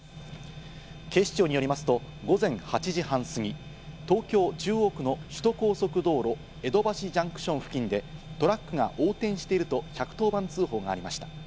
警視庁によりますと午前８時半過ぎ、東京・中央区の首都高速道路、江戸橋ジャンクション付近でトラックが横転していると１１０番通報がありました。